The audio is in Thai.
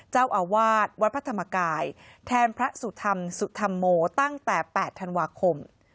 เจ้าอาวาสวัดพระธรรมกายแทนพระสุธรรมสุธรรมโมตั้งแต่๘ธันวาคม